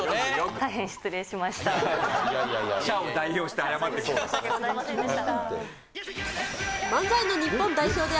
大変失礼しました。